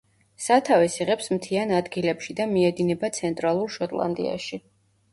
სათავეს იღებს მთიან ადგილებში და მიედინება ცენტრალურ შოტლანდიაში.